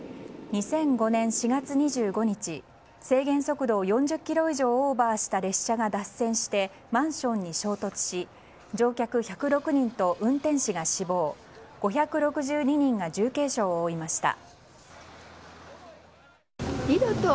２００５年４月２５日制限速度を４０キロ以上オーバーした列車が脱線してマンションに衝突し乗客１０６人と運転士が死亡５６２人が重軽傷を負いました。